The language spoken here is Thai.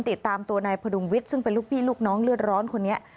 ติดตามตัวนายพดุงวิทย์ซึ่งเป็นลูกพี่ลูกน้องเลือดร้อนคนนี้